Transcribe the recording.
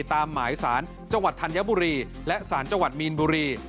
ตามหมายสารจังหวัดธัญบุรีและสารจังหวัดมีนบุรี